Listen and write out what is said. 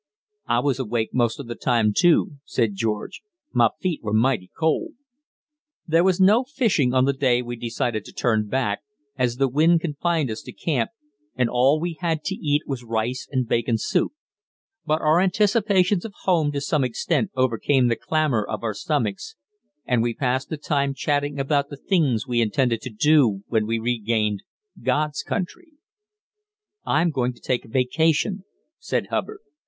"I was awake most of the time, too," said George; "my feet were mighty cold." There was no fishing on the day we decided to turn back, as the wind confined us to camp, and all we had to eat was rice and bacon soup; but our anticipations of home to some extent overcame the clamour of our stomachs, and we passed the time chatting about the things we intended to do when we regained "God's country." "I'm going to take a vacation," said Hubbard.